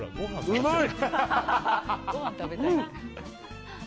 うまい！